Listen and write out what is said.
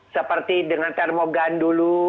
seperti dengan termogan dulu